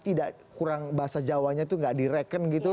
tidak kurang bahasa jawanya itu nggak direken gitu